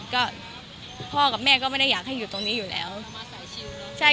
ก็พ่อกับแม่ก็ไม่ได้อยากให้อยู่ตรงนี้อยู่แล้วมาใส่ชิลเลยใช่